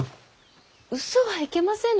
嘘はいけませぬ。